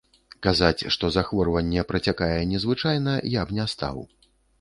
Казаць, што захворванне працякае незвычайна, я б не стаў.